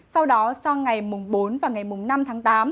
sau đó sang ngày mùng bốn và ngày mùng năm tháng tám